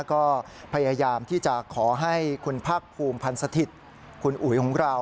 ก็พยายามที่จะขอให้คุณภาคภูมิพันธ์สถิตย์คุณอุ๋ยของเรา